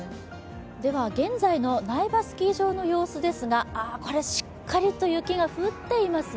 では現在の苗場スキー場の様子ですがこれ、しっかりと雪が降っていますね。